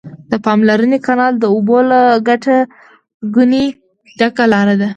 د پاماني کانال د اوبو له ګټه ګونې ډکه لاره ده.